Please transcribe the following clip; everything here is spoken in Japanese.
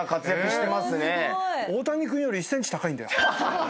大谷君より１ｃｍ高いんだよ。